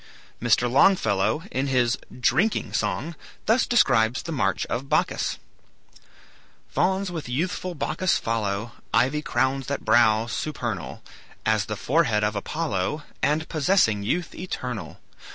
Mr. Longfellow in his "Drinking Song" thus describes the march of Bacchus: "Fauns with youthful Bacchus follow; Ivy crowns that brow, supernal As the forehead of Apollo, And possessing youth eternal.